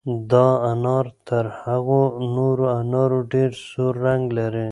دا انار تر هغو نورو انارو ډېر سور رنګ لري.